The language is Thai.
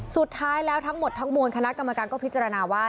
สุดท้ายแล้วทั้งหมดทั้งมวลคณะกรรมการก็พิจารณาว่า